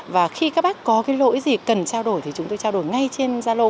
và khi các bác có cái lỗi gì cần trao đổi thì chúng tôi trao đổi ngay trên gia lô